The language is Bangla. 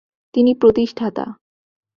তিনি প্রতিষ্ঠাতা।